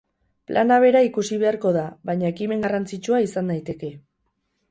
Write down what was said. Plana bera ikusi beharko da, baina ekimen garrantzitsua izan daiteke.